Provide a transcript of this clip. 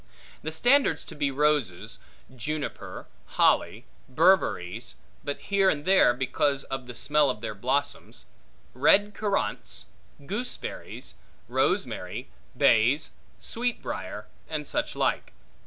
The standards to be roses; juniper; holly; berberries (but here and there, because of the smell of their blossoms); red currants; gooseberries; rosemary; bays; sweetbriar; and such like.